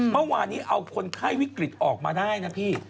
เมื่อวานนี้เอาคนไข้วิกฤตออกมาได้นะพี่